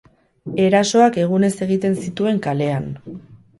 Erasoak egunez egiten zituen kalean.